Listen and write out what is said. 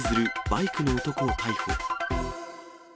バイクの男を逮捕。